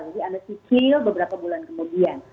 jadi anda cicil beberapa bulan kemudian